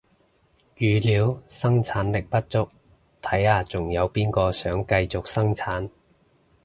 語料生產力不足，睇下仲有邊個想繼續生產